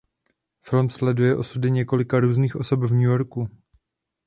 Film sleduje osudy několika různých osob v New Yorku.